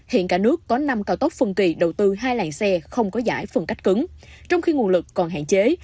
hiện cả nước có năm cao tốc phân kỳ đầu tư hai làn xe không có giải phân cách cứng trong khi nguồn lực còn hạn chế